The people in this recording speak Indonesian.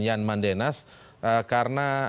yan mandenas karena